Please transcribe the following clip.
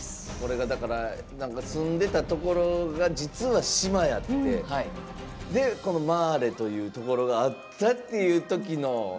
だから、住んでたところが実は島やってこのマーレというところがあったというときの。